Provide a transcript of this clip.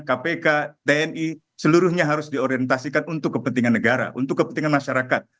kpk tni seluruhnya harus diorientasikan untuk kepentingan negara untuk kepentingan masyarakat